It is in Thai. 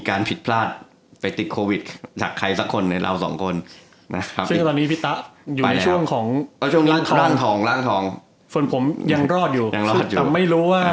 ในในในในใน